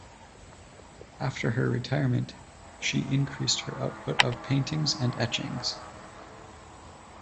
After her retirement she increased her output of paintings and etchings.